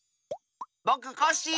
ぼくコッシー！